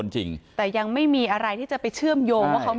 ใช่ค่ะ